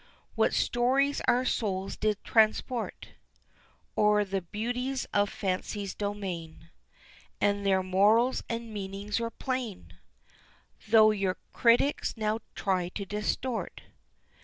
What stories our souls did transport O'er the beauties of Fancy's domain, And their morals and meanings were plain, Though your critics now try to distort.